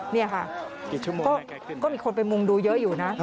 นี่ค่ะก็มีคนไปมุมดูเยอะอยู่นะ